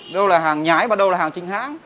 đâu là hàng nhái và đâu là hàng chính hãng